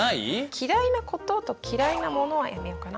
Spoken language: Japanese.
「嫌いなこと」と「嫌いな物」はやめようかな。